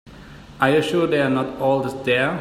Are you sure they are not all there?